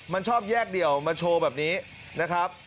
มันชอบแยกเดี่ยวมาโชว์แบบนี้นะครับ